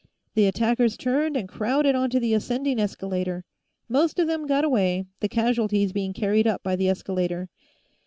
The attackers turned and crowded onto the ascending escalator. Most of them got away, the casualties being carried up by the escalator.